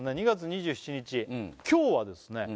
２月２７日今日はですね